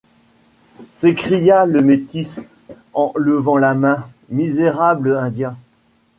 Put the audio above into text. s’écria le métis en levant la main, « Misérable Indien!